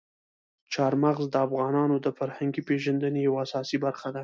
چار مغز د افغانانو د فرهنګي پیژندنې یوه اساسي برخه ده.